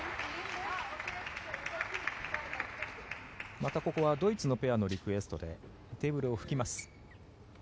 またここはドイツのペアのリクエストでテーブルを拭きます。